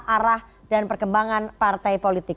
arah dan perkembangan partai politik